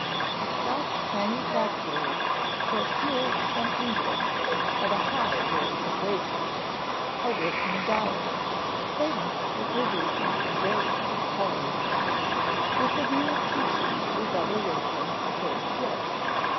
"A Scotch manufacturer procured from England, at a high rate of wages, a working dyer, famous for producing very fine colors, with the view of teaching to his other workmen the same skill.